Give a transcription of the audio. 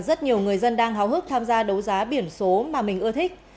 rất nhiều người dân đang háo hức tham gia đấu giá biển số mà mình ưa thích